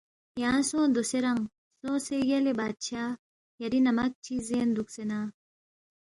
یانگ سونگ دوسے رنگ، سونگسے یلے بادشاہ یری نمک چی زین دُوکسے نہ